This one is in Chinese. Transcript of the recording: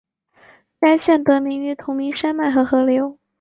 该县得名于同名山脉和河流。